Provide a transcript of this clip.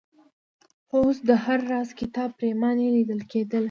خو اوس د هر راز کتاب پرېماني لیدل کېدله.